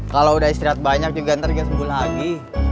kalo udah istirahat banyak juga ntar gak sembuh lagi